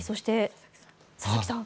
佐々木さん。